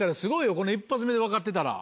この１発目で分かってたら。